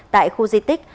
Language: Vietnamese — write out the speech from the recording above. tại khu di tích